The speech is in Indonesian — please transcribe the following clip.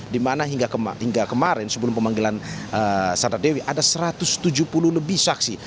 dimana hingga kemarin sebelum pemanggilan sandra dewi ada satu ratus tujuh puluh lebih saksi